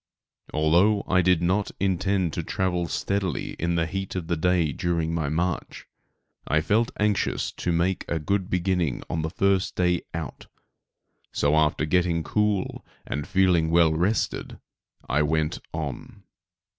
Although I did not intend to travel steadily in the heat of the day during my march, I felt anxious to make a good beginning on the first day out, so after getting cool and feeling well rested, I went on.